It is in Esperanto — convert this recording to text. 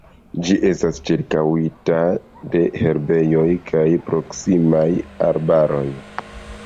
Ĝi estas ĉirkaŭita de herbejoj kaj proksimaj arbaroj.